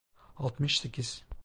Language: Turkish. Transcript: Altmış sekiz.